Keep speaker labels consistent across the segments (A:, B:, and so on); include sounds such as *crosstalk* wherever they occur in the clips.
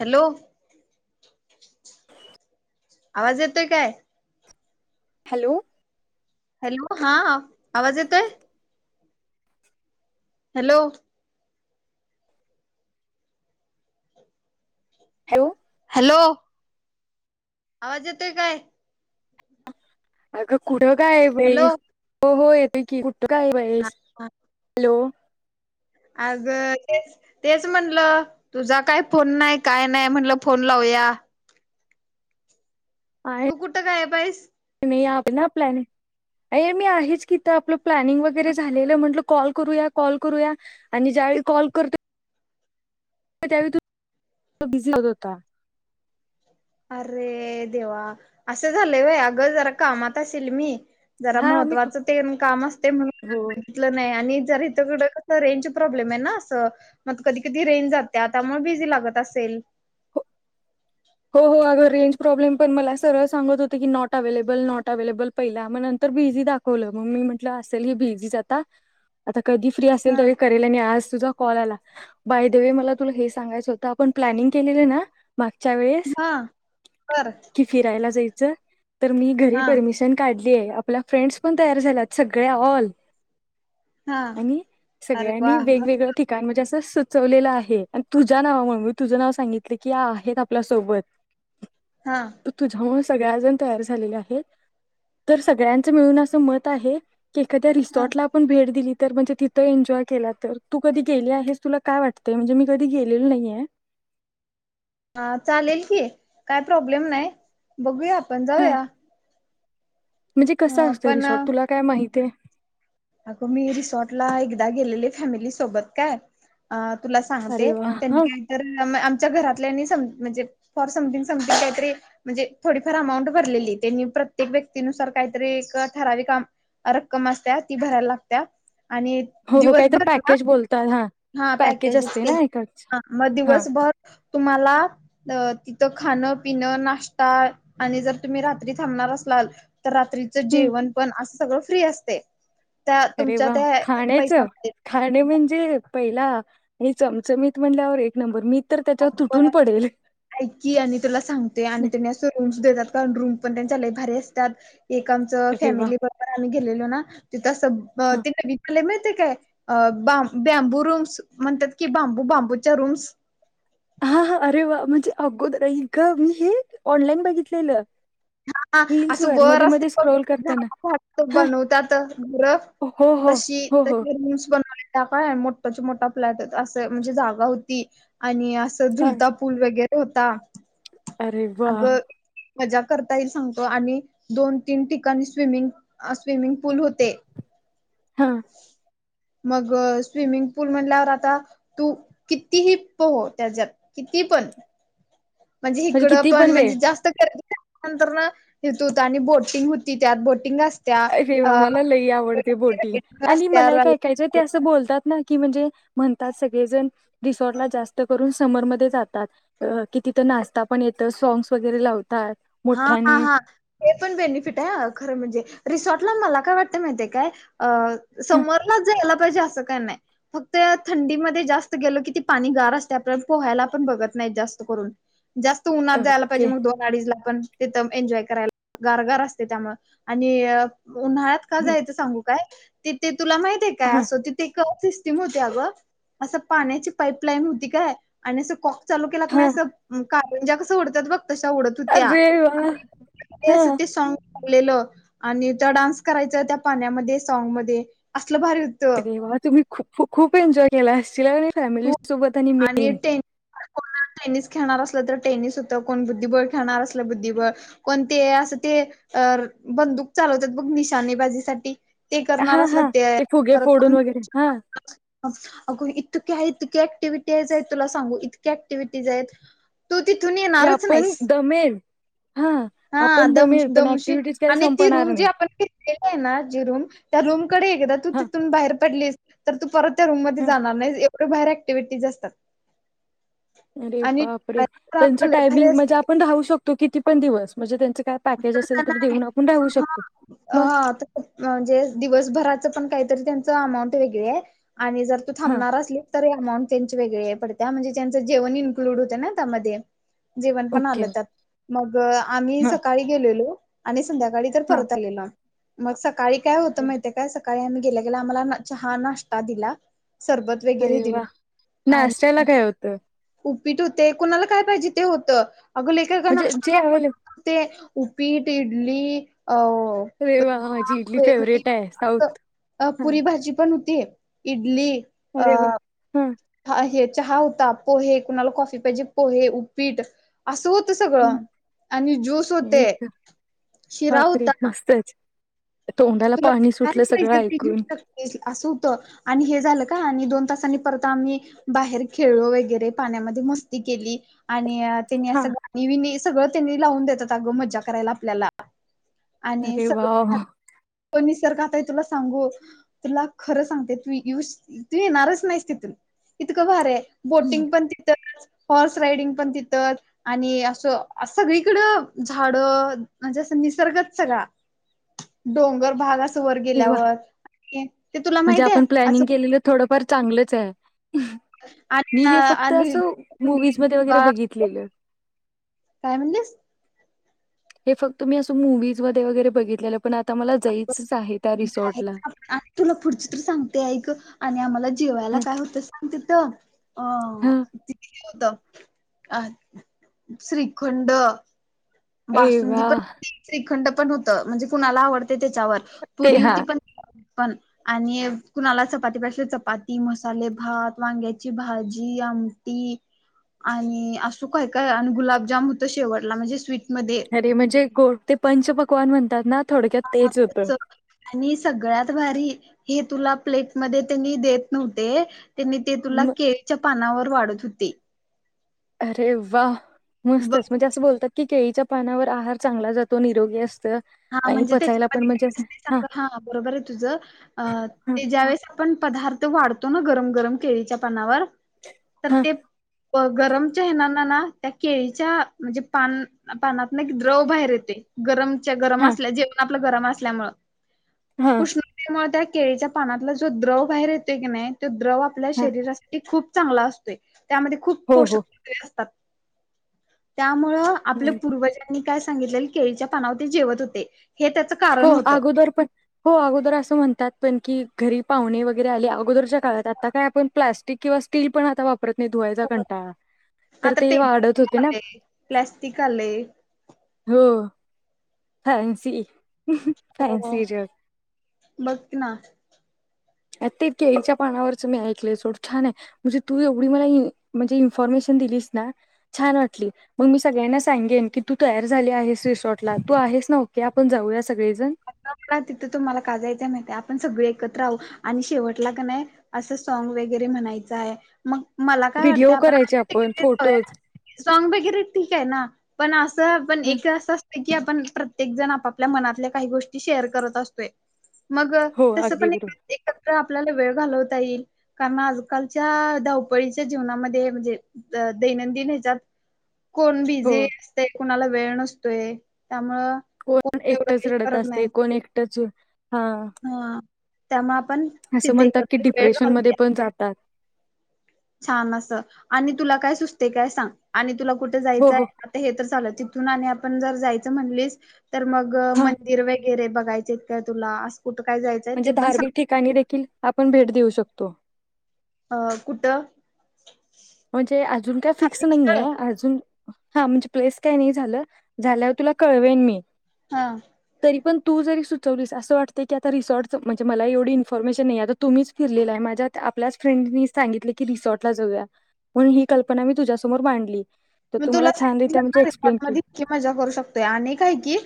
A: Hello आवाज येतोय काय?
B: हॅलो.
A: हॅलो हा आवाज येतोयं? हॅलो.
B: हॅलो.
A: हॅलो. आवाज येतोय काय?
B: अगं कुठं गायब
A: हॅलो
B: हाईस? हो हो येतोय की. कुठं गायब
A: हा
B: हाईस? हॅलो
A: आग तेच तेच म्हणलं तुझा काय फोन नाय काय नाय म्हणलं फोन लावया. तू कुठं गायब हाईस?
B: मी अभी ना प्लॅनिंग ए मी आहेच किथं हित आपलं प्लॅनिंग वगैरे झालेलं म्हटलं कॉल करूया कॉल करूया. आणि ज्यावेळी कॉल करतोय त्यावेळी तू बिझी लागत होता.
A: अरे देवा असं झालंय व्हय अगं जरा कामात असेल मी. जरा
B: हा मी
A: महत्त्वाचं तेन कामं असतयं
B: हो
A: म्हणून तलं नाय आणि जर इथकडं कसं रेंजच प्रॉब्लेम आय ना असं. म आता कधी कधी रेंज जातिया त्यामुळ बिझी लागत असेल.
B: हो हो अग रेंज प्रॉब्लेम पण मला सरळ सांगत होत की नॉट अवेहेलेबल नॉट अववेलेबल. पहिला म नंतर बिझी दाखवलं मग मी म्हटलं असेल ही बिझीच आता.
A: *inaudible*
B: आता कधी फ्री असेल
A: हा
B: त्या वेळी कर ल आणि आज तुजा कॉल आला. बाय द वे मला तुला हे सांगायच होत आपण प्लनिंग केलेली ना. च्या वेळेस
A: हा बर
B: की फिरायला जायच तर मी
A: हा
B: घरी परमशन काढली ए आपल्या फ्रेंड्स पण तयार झाल्यात सगळ्या ऑल.
A: हा
B: आणि
A: अरे वा
B: सगळ्यांनी
A: मस्त.
B: वेगवेगळं ठिकाण म्हणजे असं सुचवलेलं आहे आणि तुझ्या नावा मूळ, मी तुझं नाव सांगितलं की आहेत आप ल्यासोबत.
A: हा.
B: तर तुझ्यामुळ सगळ्याजण तयार झालेल्या आहेत तर सगळ्यांचं मिळून असं मत आहे एखाद्या
A: हा
B: रिसॉर्ट ला आपण भेट दिली तर म्हणजे तिथं एन्जॉय केला तर तू कधी गेले आहेस तुला काय वाटतंय? म्हणजे मी कधी गेलेल नाहीये.
A: हा चालेल की काय प्रॉब्लेम नाय बघूया आपण
B: हा
A: जाऊया.
B: म्हणजे कसा
A: अ
B: असत
A: पण
B: रिसॉर्ट तुला काय माहितय?
A: अगं मी रिसॉर्ट ला एकदा गेलेले फॅमिली सोबत काय. अ तुला
B: अरे
A: सांगते
B: वा हा
A: त्यांनी काय तर आमच्या घरातल्यानी सम म्हणजे फॉर समथिंग समथिंग कायतरी म्हणजे थोडीफार अमाऊंट भरलेली त्यांनी प्रत्येक व्यक्तीनुसार कायतरी एक ठरावी अमा रक्कम असत्या ती भरायला लागत्या. आणि
B: हो हो काय तर
A: दिवसभर ना
B: पॅकेज बोलतात हा.
A: हा
B: पॅकेज
A: पॅकेजच
B: असते
A: की
B: ना एकाच
A: हा म
B: हा
A: दिवसभर तुम्हाला अ तिथं खाणं पिणं नाष्टा आणि जर तुम्ही रात्री थांबणार असलाल तर रात्रीचं
B: हम्म
A: जेवण पण असं सगळं फ्री असते त्या
B: अरे
A: तुमच्या
B: वा
A: त्या
B: खाण्याचं
A: पैशामध्ये
B: खाणे म्हणजे पहिला आणि चमचमीत म्हणल्यावर एक नंबर मी तर त्याच्यावर तुटून पडेल‌
A: ऐक की आणि तुला सांगते आणि त्यांनी असं रूम्स देत्यात कारण रूम पण त्यांच्या लई भारी असत्यात एक आमचं
B: अरे वा
A: फॅमिली बरोबर आम्ही गेलेलो ना तिथं असं
B: हा
A: ते नवीन आलंय मिळते काय अ बां बँबू रूम्स म्हणत्यात की बांबू बांबूच्या रूम्स
B: हा हा अरे वा म्हणजे अगोदर आई गं मी हे ऑनलाईन बघितलेलं
A: हा असं
B: रील्सवर
A: वर
B: मध्ये-मध्ये
A: असते बघ
B: स्क्रोल करताना.
A: झाडात
B: हां.
A: बनवतात घर
B: हो, हो.
A: तशी
B: हो, हो.
A: तशी रूम्स बनवल्यात त्या कनाय मोठाच्या मोठा फ्लॅट होता असं म्हणजे जागा होती आणि असं
B: छान.
A: झुलता पूल वेगेरे होता
B: अरे वाह!
A: अगं मजा करता येईल सांगतो आणि दोन तीन ठिकाणी स्विमिंग स्विमिंग पूल होते.
B: हा
A: मग स्विमिंग पूल म्हणल्यावर आता तू कितीही पोह त्याज्यात किती पण म्हणजे हिकडं पण म्हणजे जास्त करायचं काय नंतरनं इथ हुतं आणि बोटिंग हुती त्यात बोटिंग अस
B: रेवा मला लई आवडते बोटिंग आणि मला एक
A: रस्त्यावर
B: ऐकायच्याय ते असं बोलतात ना की म्हणजे म्हणतात सगळेजण रिसॉर्टला जास्त करून समरमध्ये जातात अ कि तिथं नाचता पण येतं सोंग्स वगैरे लावतात
A: हा हा
B: मोठ्याने.
A: हा ते पण बेनिफिट आहे खरं म्हणजे रिसॉर्टला मला काय वाटतं माहिते काय अ
B: हं,
A: समरलाच जायला पाहिजे असं काय नाय फक्त थंडीमध्ये जास्त गेलो कि ती पाणी गार असत्या आपल्याला पोहायला पण बघत नाहीत जास्त करून जास्त उन्हात जायाला
B: ओके.
A: पाहिजे मग दोन अडीचला पण तिथं एन्जॉय करायला गारगार असते त्यामुळं आणि अ उन्हाळ्यात का
B: हं,
A: जायचं सांगू काय ती ती तुला माहिते काय
B: हां,
A: असं ति ते क स्टीम हुती अगं असं पाण्याची पाईप लाईन होती काय आणि असं कॉक चालू केला का नाय
B: हां.
A: असं मग करंज्या कसं उडत्यात बघ तशा उडत हुत्या
B: अरे वाह!
A: आणि ते
B: हां.
A: असं ते साँग लावलेलं आणि त्या डान्स करायचा त्या पाण्यामध्ये साँगमध्ये असलं भारी होतं
B: अरे वा तुम्ही खूप खूप एन्जॉय केला असशतीला की नाही
A: खूप आणि टेन कोण टेनिस खेळणार असलं तर टेनिस होतं कोण बुद्धिबळ खेळणार असलं तर बुद्धिबळ कोण ते असं ते अ बंदूक चालवत्यात बघ निशानेबाजीसाठी ते करणार
B: हां,
A: असला
B: हां.
A: ते हाय
B: फुगे
A: परत
B: फोडून
A: कोण
B: वगैरे हां,
A: अगं तक्या इतकी ऍक्टिव्हटी आहेत तुला सांगू इतक्या ऍक्टिव्हिटिज आहेत तू तिथून
B: की
A: येणारच
B: आपण
A: नाहीस
B: दमेल हां,
A: हा
B: आपण
A: दम
B: दमेल पण
A: दमशील
B: ॲक्टिव्हिटीज काही
A: आणि ती
B: संपणार
A: रूम जी
B: नाही.
A: आपण घेत लेली हाय ना जी रूम त्या रूमकडे एकदा तू
B: हां,
A: तिथून बाहेर पडलीस तर तू परत त्या रूममधे
B: हां.
A: जाणार नाहीस एवढे बाहेर ऍक्टिव्हटीज असतात
B: अरे
A: आणि
B: बाप रे त्यांचं
A: भारी
B: टायमिंग म्हणजे
A: असते
B: आपण राहू शक तो किती पण दिवस म्हणजे त्यांचं काय पॅकेज असेल तर देऊन आपण राहू
A: हा
B: शकतो मग
A: हा म्हणजे दिवसभराचं पण काहीतरी त्यांच अमाऊंट वेगळे आहे आणि जर तू
B: हां,
A: थांबणार असस तरी अमाऊंट त्यांची वेगळी आहे पडते. त्या म्हणजे त्यांचं जेवण इन्क्लूड होत ना त्यामध्ये जेवण पण
B: ओके.
A: आलं त्यात मग आम्ही
B: हां,
A: सकाळी गेलेलो आणि संध्याकाळी तर
B: हां.
A: परत आलेल मग सकाळी काय होतं
B: अरे
A: माहितीय काय सका सकाळी आम्ही गेल्या गेला आम्हाला चहा नाश्ता दिला सरबत वगैरे
B: अरे
A: दिले
B: वाह!
A: आणि
B: नाश्त्याला
A: मग
B: काय होतं?
A: उपीट होते कुणाला काय पाहिजे ते होतं अगोले काका
B: म्हणजे जे
A: नाता
B: अवेलेबल
A: ते उपीट इडली अ
B: अरे वा माझी इडली फेवरेट आहे साऊथ हा
A: भजी पण होते. इडली.
B: अरे वा ह.
A: हा हे चहा होता पोहे कुणाला कॉफी पाहिजे पोहे, उपीट असं होत
B: हं.
A: सगळं आणि ज्यूस होते शिरा
B: बापरे
A: होता
B: मस्तच. तोंडाला
A: तुला
B: पाणी
A: काय
B: सुटलं सगळं
A: पाहिजे ते घेऊ
B: ऐकून.
A: शकते असं होत. आणि हे झालं का आणि दोन तासांनी परत आम्ही बाहेर खेळो वगैरे पाण्यामध्ये मस्ती केली आणि त्यांनी
B: हा
A: असं गाणी विणी सगळं त्यांनी लावून देतात अगं मजा करायला आपल्याला.
B: अरे वा.
A: पण निसरगता आहे तुला सांगू तुला खरं सांगते तू ये तू येणारच नाहीस तिथून इतकं भारी आहे. बोटिंग पण तिथच हॉर्स रायडिंग पण तिथं आणि असं सगळीकडं झाड म्हणजे असं निसर्गच सगळा. डोंगर भाग असं वर
B: अरे वाह!
A: गेल्यावर ते तुला
B: म्हणजे
A: माहीती आहे
B: आपण प्लॅनिंग
A: असं
B: केलेलं थोडंफार चांगलंच आहे.
A: आणि
B: मी हे फक्त
A: आणि
B: असं मुवीज मधे वगैरे बघितलेलं.
A: काय म्हणतेस?
B: हे फक्त मी असं मूवीज मध्ये वगैरे बघितलेलं पण आता मला जायचंच आहेत.
A: तुला पुढची तर सांगते ऐक आणि आम्हाला जेवायला
B: हं,
A: काय होत सांगतेथ अ
B: हं.
A: तिथ होत अ श्रीखंड.
B: अरे
A: बासुंदी पण
B: वाह!
A: श्रीखंड पण होत म्हणजे कुणाला आवडते त्याच्यावर
B: ते
A: परी
B: हा
A: होती पण. पण. आणि कुणाला चपाती प चपाती, मसाले भात, वांग्याची भाजी, आम ती आणि असू काय काय आणि गुलाबजाम होते शेवटला म्हणजे स्वीटमध्ये
B: अरे म्हणजे कोणते पंच पकवान म्हणतात ना थोडक्यात
A: हा
B: तेच होतं.
A: आताच आणि सगळ्यात भारी हे तुला प्लेट मध्ये त्यांनी देत नव्हते. त्यांनी ते
B: म
A: तुला केळीच्या पानावर वाढत होते.
B: अरे वा
A: बघ
B: मस्तस म्हणजे बोलतात की केळीच्या पानावर आहार चांगला जातो निरोगी असत
A: हा
B: आणि
A: म्हणजे
B: पचायला पण
A: त्याच्यामध्ये
B: म्हणजे
A: काय असते
B: हां,
A: सांग हा बरोबर आहे तुझं. अ
B: हां,
A: ते ज्या वेळेस आपण पदार्थ वाढतो ना गरम गरम केळीच्या पानावर तर
B: हां,
A: ते गरमच्या ये ना त्या केळीच्या म्हणजे पान पानात ना की द्रव बाहेर येते गरम. जे गरम
B: हां,
A: असल्या जे पण आपल्या गरम असल्यामूळ
B: हां,
A: उष्णते मूळ केळीच्या पानातला जो द्रव बाहेर येतोय कणी तो द्रव आपल्या
B: हां.
A: शरीरासाठी खूप चांगला असतोय. त्यामध्ये खूप
B: हो,
A: पोषक
B: हो.
A: *unintelligible* असतात, त्यामुळं आपलं
B: नाही.
A: पूर्वज त्यांनी काय सांगितलय केळीच्या पाना वरती जेवत होते हे त्याच
B: हो अगोदर पण हो अगोदर असं म्हणतात पण की घरी पाहुणे वगैरे आले अगोदरच्या काळात आता काय आपण प्लास्टिक किंवा स्टील पण आता वाप रत नाही धुवायचा कंटाळा तर
A: आता
B: ते वाढत होते
A: पेपर
B: ना.
A: आले प्लॅस्टिक आले
B: हो. *unintelligible*
A: हो
B: फॅन्सी जग.
A: बघ ना.
B: आ ते केळीच्या पानावरच मी ऐकलंय सोडं छान आहे. म्हणजे तू एवढी मला म्हणजे इन्फॉर्मेशन दिलीस ना छान वाटली. मग मी सगळ्यांना सांगेन की तू तयार झाली आहेस रिसॉर्टला. तू आहेस ना ओके आपण जाऊया सगळेजण?
A: बला तिथं तुम्हाला का जायच माहतीय आपण सगळे एकत्र आहो आणि शेवटला कणी असं सॉग वगैरे म्हणायचं आहे मग मला काय वाटतं
B: व्हिडिओ
A: आपण
B: करायचे आपण फोटोज
A: *unintelligible* सॉग वगैरे ठीक आहे ना पण असं पण एक असं की आपण प्रत्येक जण आपापल्या मनातल्या काही गोष्टी शेअर करत असतोय. मग
B: हो
A: तस
B: अगदी
A: पण
B: बरोबर
A: एकत्र आपल्याला वेळ घालवता येईल. कारण आजकालच्या धावपळीच्या जीवनामध्ये म्हणजे अ दैनंदिन ह्याच्यात कोण बिझी
B: हो
A: असतय कुणाला वेळ नसतोय त्यामुळं
B: कोण
A: एवढं
B: एकटच
A: काही
B: रडत
A: करत नाही
B: असतय कोण एकटच झू हा.
A: हा त्यामुळे आपण
B: असं
A: तिथे
B: म्हणतात की
A: एकत्र वेळ
B: डिप्रेशन मध्ये
A: घालवूया
B: पण जात
A: छान असं आणि तुला काय सुचते काय सांग आणि तुला कुठं
B: हो
A: जायचंय?
B: हो
A: हे तर चाल तिथून आणि आपण जर जायचं म्हणलीस तर मग
B: हा
A: मंदिर वगैरे बघायचे तर तुला अस कुठ काय जायचं
B: म्हणजे धार्मिक ठिकाणी देखील आपण भेट देऊ शकतो.
A: अ कुठं?
B: म्हणजे अजून काय फिक्स
A: धार्मिक
B: नाहीये
A: स्थळ
B: अजून हा म्हणजे प्लेस काय नाही झालं झाल्यावर तुला कळवेन मी.
A: हा.
B: तरी पण तू जरी सुचवलीस असं वाटतय की आता रिसॉर्टच म्हणजे मला एवढ इनफर्मेशन नाही हे आ तुम्हीच फिरलेल आहे माझ्या आपल्याच फ्रेंडनी सांगितलं की रिसॉर्ट ला जाऊया. म्हणून ही कल्पना मी तुझ्यासमोर मांडली तर तुम्हाला छानरित्या म्हणजे एक्सप्लेन केली.
A: की मजा करू शकतोय आणि काय की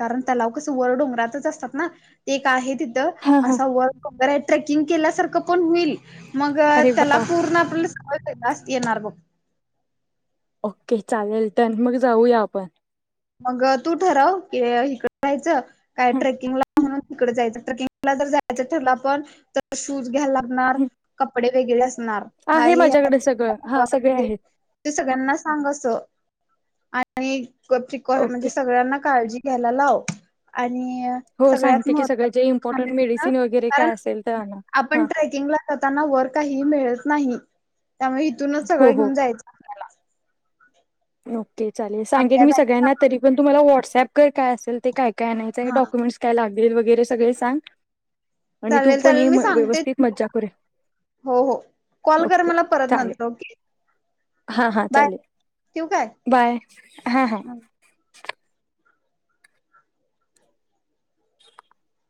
A: कारण तलाव कसं वर डोंगरातच असतात ना एक आहे तिथं
B: हा हा
A: असा वर रे ट्रेकिंग केल्यासारखं पण होईल मग
B: अरे वा
A: त्याला पूर्ण आप *unintelligible* येणार बग.
B: ओके चालेल डन मग जाऊया आपण.
A: मग तू ठरव की इकड जायचं काय
B: हं,
A: ट्रेकिंगला म्हणून तिकडे जायच ट्रेकिंगला जर जायचं ठरल पण तर शूज घ्यायला लागणार
B: हं.
A: कपडे वेगळे असणार
B: आहे माझ्याकडे सगळं हा सगळे आहेत
A: *unintelligible* ते सगळ्यांना सांग अस आणि प्रिकॉश
B: ओके
A: म्हणजे सगळ्यांना काळजी घ्यायला लाव आणि
B: हो
A: सगळ्यात
B: सांगते की सगळं, जे
A: महत्त्वाचं
B: इम्पॉर्टंट मेडिसिन वगैरे काय असेल तर आणा.
A: पण
B: हा
A: ट्रेकिंगला करताना वर काही मिळत नाही त्यामुळे इथूनच
B: हो
A: सगळं
B: हो
A: घेऊन जायचं. आपल्याला
B: ओके चालेल सांगेल
A: आपल्या
B: मी
A: बॅग
B: सगळ्यांना तरी पण तु मला व्हॉट्सअप कर काय असेल ते काय काय आणायचं
A: हा
B: डॉक्युमेंटस काय लागेल वगैरे सगळे सांग. आणि तू
A: चालेल
B: पण ये
A: चालेल मी सांगते
B: व्यवस्थित मज्जा करूया.
A: हो हो कॉल कर
B: ओके
A: मला परत नंतर, ओके.
B: हा हा
A: बाय
B: चालेल.
A: ठेवू काय?
B: बाय. हा हां. *inaudible*